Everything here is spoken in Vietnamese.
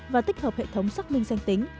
và tích hợp hệ thống xác minh danh tính